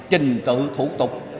trình tự thủ tục